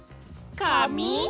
かみ？